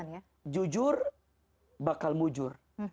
iya jujur bakal mujur